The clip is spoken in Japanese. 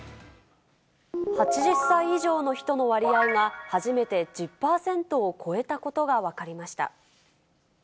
８０歳以上の人の割合が、初めて１０％を超えたことが分かりました。